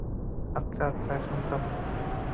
আচ্ছা, আচ্ছা, শান্ত হও।